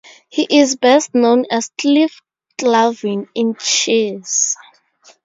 He is best known as Cliff Clavin in "Cheers".